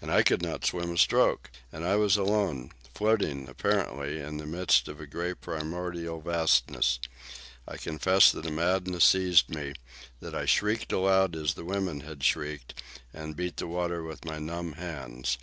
And I could not swim a stroke. And I was alone, floating, apparently, in the midst of a grey primordial vastness. I confess that a madness seized me, that I shrieked aloud as the women had shrieked, and beat the water with my numb hands.